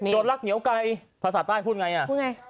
รักเหนียวไกลภาษาใต้พูดไงอ่ะพูดไง